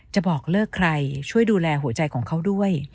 จะบอกเลิกใครช่วยดูแลหัวใจของเขาด้วย